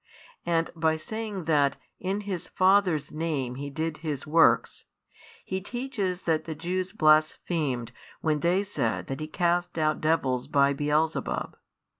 And by saying that in His Father's Name He did His works, He teaches that the Jews blasphemed when they said that He cast out devils by Beelzebub.